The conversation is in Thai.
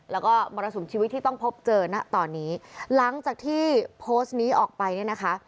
แล้วก็มรสุมชีวิตที่ต้องพบเจอนะตอนนี้หลังจากที่โพสต์นี้ออกไปเนี่ยนะคะ